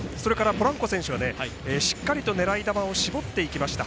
ポランコ選手は、しっかりと狙い球を絞っていけました。